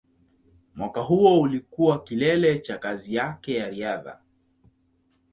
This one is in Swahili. Mwaka huo ulikuwa kilele cha kazi yake ya riadha.